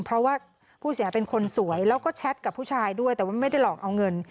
เพราะว่าผู้เสียหายเป็นคนสวยแล้วก็แชทกับผู้ชายด้วยแต่ว่าไม่ได้หลอกเอาเงิน